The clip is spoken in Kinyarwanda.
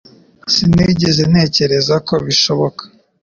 Sinigeze ntekereza ko bishoboka